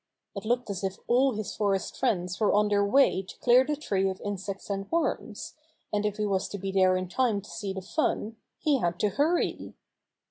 It looked as if all his forest friends were on their way to clear the tree of insects and worms, and if he was to be there in time to see the fun he had to hurry.